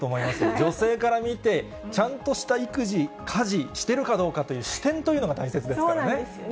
女性から見て、ちゃんとした育児・家事してるかどうかという視点というのが大切そうなんですよね。